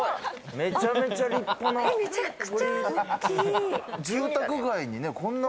めちゃくちゃ立派な鳥居。